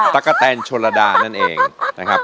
ตะกะแตนชนระดานั่นเองนะครับ